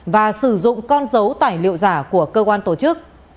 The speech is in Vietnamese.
và sử dụng con dấu tài liệu giả của cơ quan tổ chức